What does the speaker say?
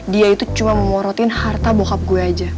dia itu cuma memorotin harta bokap gue aja